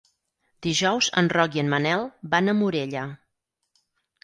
Dijous en Roc i en Manel van a Morella.